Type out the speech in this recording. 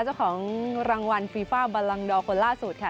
เจ้าของรางวัลฟีฟ่าบัลลังดอร์คนล่าสุดค่ะ